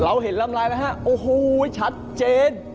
เราเห็นลำลายแล้วฮะโอ้โฮชัดเจน